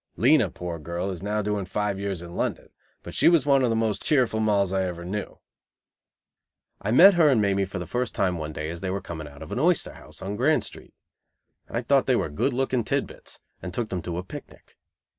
Lena, poor girl, is now doing five years in London, but she was one of the most cheerful Molls I ever knew. I met her and Mamie for the first time one day as they were coming out of an oyster house on Grand Street. I thought they were good looking tid bits, and took them to a picnic.